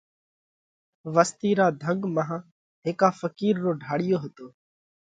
وستِي را ڌنڳ مانه هيڪا ڦقِير رو ڍاۯِيو هتو۔